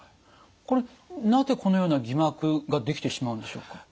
これなぜこのような偽膜が出来てしまうんでしょうか？